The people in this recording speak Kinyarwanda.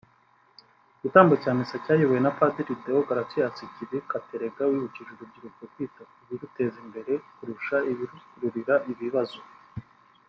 igitambo cya misa cyayobowe na Padiri Deogratius Kiibi Katerega wibukije urubyiruko “kwita ku biruteza imbere kurusha ibirukururira ibibazo